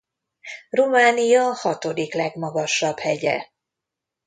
Románia hatodik legmagasabb hegye.